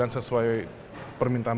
enam puluh sembilan sesuai permintaan